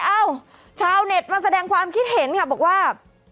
เอ้าชาวเน็ตมาแสดงความคิดเห็นค่ะบอกว่า